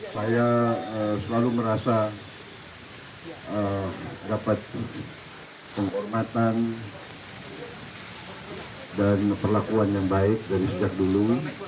saya selalu merasa dapat penghormatan dan perlakuan yang baik dari sejak dulu